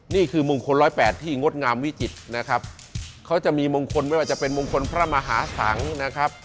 นี่คือมงคล๑๐๘ที่งดงามวิจิตรนะครับเขาจะมีมงคลไม่ว่าจะเป็นมงคลพระมหาสังนะครับ